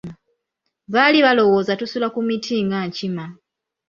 Baali balowooza tusula ku miti nga nkima.